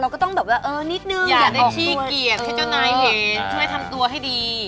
ก็ต้องแบบว่าเออนิดนึงอยากได้ขี้เกียจให้เจ้านายเห็นช่วยทำตัวให้ดี